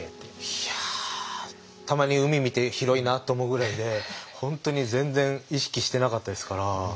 いやたまに海見て広いなあと思うぐらいで本当に全然意識してなかったですから。